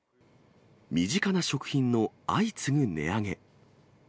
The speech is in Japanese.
身近な食品の相次ぐ値上げ。